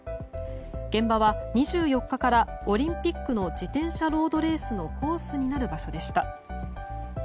現場は２４日からオリンピックの自転車ロードレースのコースになる場所でした。